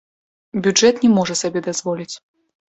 Бюджэт не можа сабе дазволіць.